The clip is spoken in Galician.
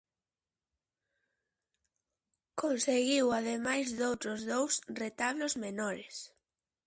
Conseguiu ademais doutros dous retablos menores.